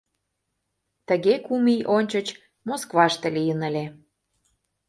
Тыге кум ий ончыч Москваште лийын ыле.